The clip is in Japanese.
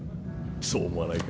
そう思わないか？